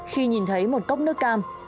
khi nhìn thấy một cốc nước cam